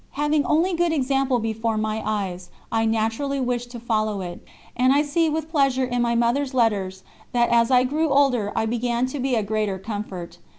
Having only good example before my eyes, I naturally wished to follow it, and I see with pleasure in my Mother's letters that as I grew older I began to be a greater comfort.